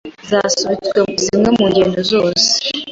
zasubitse zimwe mu ngendo zazo